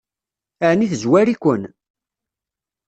Ɛni tezwar-iken?